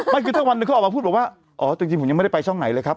ไม่คือถ้าวันหนึ่งเขาออกมาพูดบอกว่าอ๋อจริงผมยังไม่ได้ไปช่องไหนเลยครับ